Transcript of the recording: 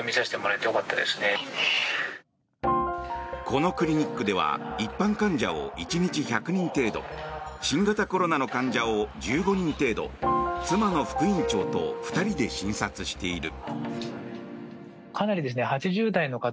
このクリニックでは一般患者を１日１００人程度新型コロナの患者を１５人程度妻の副院長と２人で診察している。